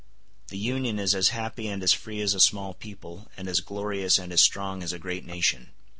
The Union is as happy and as free as a small people, and as glorious and as strong as a great nation.